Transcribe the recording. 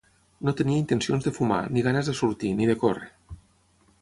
No tenia intencions de fumar, ni ganes de sortir, ni de córrer